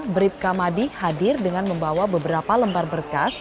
bribka madi hadir dengan membawa beberapa lembar berkas